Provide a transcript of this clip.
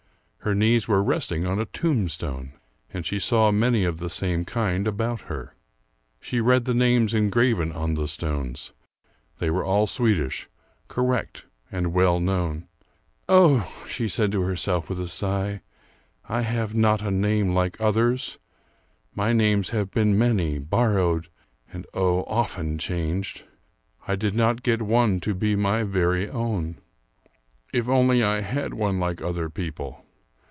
Her knees were resting on a tombstone, and she saw many of the same kind about her. She read the names engraven on the stones; they were all Swedish, correct and well known. "Oh," she said to herself with a sigh, "I have not a name like others! My names have been many, borrowed, and oh, often changed. I did not get one to be my very own! If only I had one like other people!